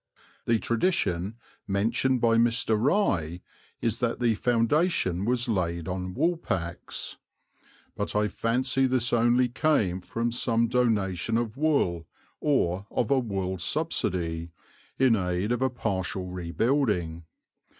The tradition, mentioned by Mr. Rye, is that the foundation was laid on woolpacks; "but I fancy this only came from some donation of wool, or of a wool subsidy, in aid of a partial rebuilding.